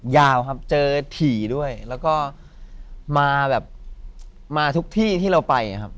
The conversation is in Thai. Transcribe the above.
ยาวครับเจอถี่ด้วยแล้วก็มาแบบมาทุกที่ที่เราไปครับ